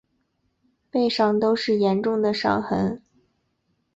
背上都是严重的伤痕